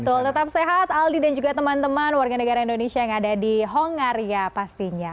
betul tetap sehat aldi dan juga teman teman warga negara indonesia yang ada di hongaria pastinya